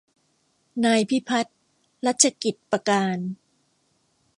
นายพิพัฒน์ รัชกิจประการ